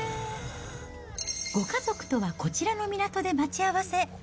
ご家族とはこちらの港で待ち合わせ。